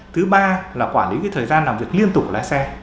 thứ ba là quản lý cái thời gian làm việc liên tục của lái xe